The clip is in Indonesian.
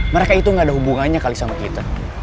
mereka itu gak ada hubungannya kali sama kita